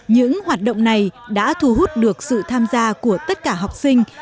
những hoạt động này đã thu hút được sự tham gia của tất cả học sinh